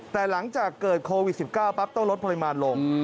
แต่หลังจากเกิดโควิด๑๙ปั๊บต้องลดปริมาณลง